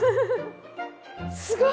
すごい！